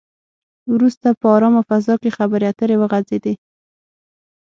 وروسته په ارامه فضا کې خبرې اترې وغځېدې.